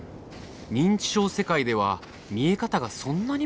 認知症世界では見え方がそんなにも変わるんだ。